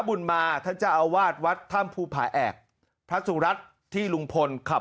บุญมาท่านเจ้าอาวาสวัดถ้ำภูผาแอกพระสุรัตน์ที่ลุงพลขับ